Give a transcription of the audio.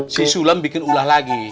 si sulam bikin ulah lagi